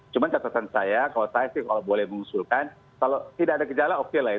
cuma catatan saya kalau saya sih kalau boleh mengusulkan kalau tidak ada gejala oke lah ya